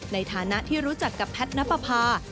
ในฐานะที่รู้จักกับแพทย์นับประพา